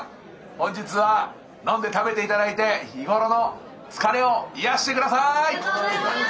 本日は飲んで食べていただいて日頃の疲れを癒やしてください。